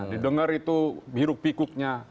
didengar itu hiruk pikuknya